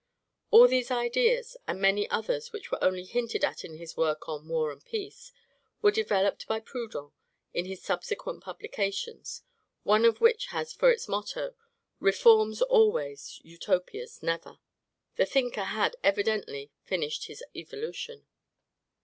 All these ideas, and many others which were only hinted at in his work on "War and Peace," were developed by Proudhon in his subsequent publications, one of which has for its motto, "Reforms always, Utopias never." The thinker had evidently finished his evolution.